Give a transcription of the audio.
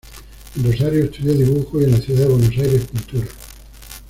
En Rosario estudió dibujo y en la ciudad de Buenos Aires pintura.